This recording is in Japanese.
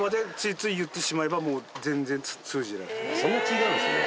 そんな違うんすね。